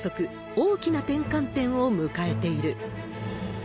大きな転換点を迎えている。